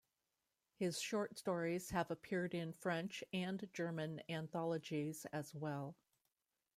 His short stories have appeared in French and German anthologies as well.